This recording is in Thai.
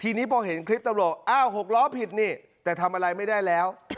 ทีนี้พอเห็นคลิปตำรวจอ้าว๖ล้อผิดนี่แต่ทำอะไรไม่ได้แล้ว